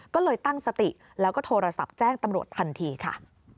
ก็เลยตั้งสติแล้วก็โทรศัพท์แจ้งตำรวจทันทีค่ะ